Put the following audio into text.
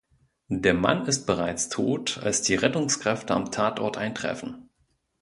Der Mann ist bereits tot, als die Rettungskräfte am Tatort eintreffen.